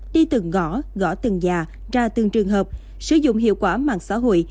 đi từng ngõ gõ từng nhà ra từng trường hợp sử dụng hiệu quả mạng xã hội